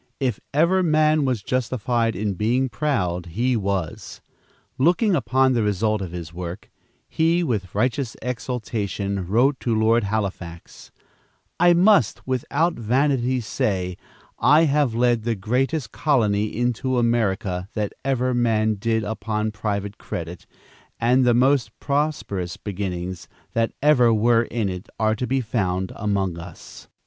If ever man was justified in being proud, he was. Looking upon the result of his work, he, with righteous exultation, wrote to Lord Halifax, "I must, without vanity, say I have led the greatest colony into America that ever man did upon private credit, and the most prosperous beginnings that ever were in it are to be found among us."